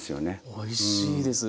おいしいです。